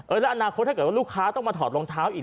แล้วอนาคตถ้าเกิดว่าลูกค้าต้องมาถอดรองเท้าอีก